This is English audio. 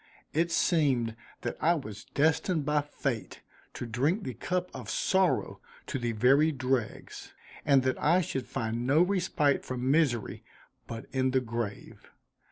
It seemed that I was destined by fate to drink the cup of sorrow to the very dregs, and that I should find no respite from misery but in the grave.